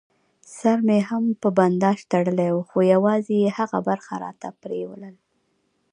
سر مې هم په بنداژ تړلی و، خو یوازې یې هغه برخه راته پرېولل.